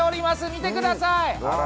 見てください